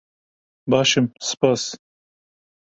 Baş im, spas.